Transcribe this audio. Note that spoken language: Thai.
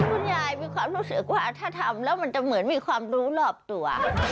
คุณยายมีความรู้สึกว่าถ้าทำแล้วมันจะเหมือนมีความรู้รอบตัว